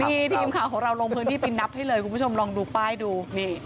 นี่ทีมข่าวของเราลงพื้นที่ไปนับให้เลยคุณผู้ชมลองดูป้ายดูนี่